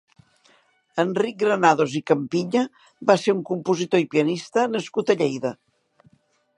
Enric Granados i Campiña va ser un compositor i pianista nascut a Lleida.